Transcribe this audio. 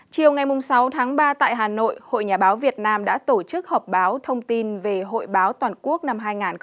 chiều ngày sáu tháng ba tại hà nội hội nhà báo việt nam đã tổ chức họp báo thông tin về hội báo toàn quốc năm hai nghìn hai mươi